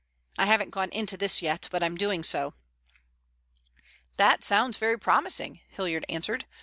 I haven't gone into this yet, but I'm doing so." "That sounds very promising," Hilliard answered.